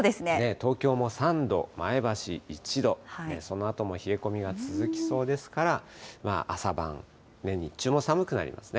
東京も３度、前橋１度、そのあとも冷え込みが続きそうですから、朝晩、日中も寒くなりますね。